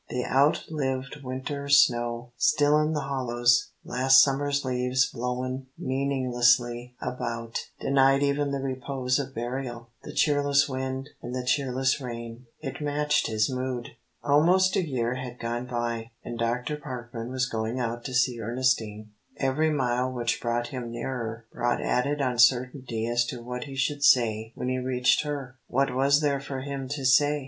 The out lived winter's snow still in the hollows, last summer's leaves blown meaninglessly about, denied even the repose of burial, the cheerless wind and the cheerless rain it matched his mood. Almost a year had gone by, and Dr. Parkman was going out to see Ernestine. Every mile which brought him nearer, brought added uncertainty as to what he should say when he reached her. What was there for him to say?